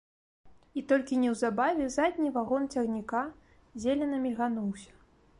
І толькі неўзабаве задні вагон цягніка зелена мільгануўся.